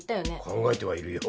考えてはいるよ。